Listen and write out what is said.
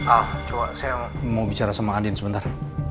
ah coba saya mau bicara sama andin sebentar